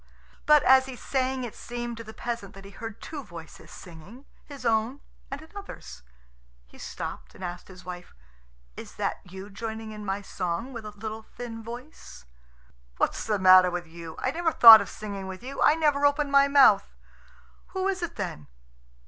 But as he sang it seemed to the peasant that he heard two voices singing his own and another's. He stopped, and asked his wife, "Is that you joining in my song with a little thin voice?" "What's the matter with you? I never thought of singing with you. I never opened my mouth." "Who is it then?"